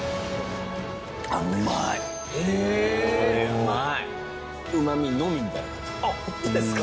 うま味のみみたいな。